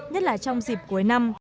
nhất là trong dịp cuối năm